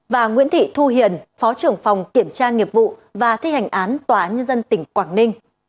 và nguyễn thị thu hiền phó trưởng phòng kiểm tra nghiệp vụ và thi hành án tòa án nhân dân tỉnh quảng ninh